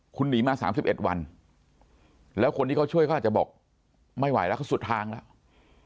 คุณหนีมา๓๑วันแล้วคนที่เขาช่วยเขาอาจจะบอกไม่ไหวแล้วเขาสุดทางแล้ว